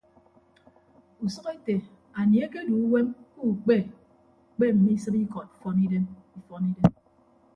Usʌk ete anie ekedu uwem ke ukpe kpe mme isịp ikọd ifọn idem.